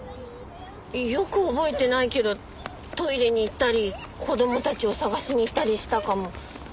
よく覚えてないけどトイレに行ったり子供たちを捜しに行ったりしたかも。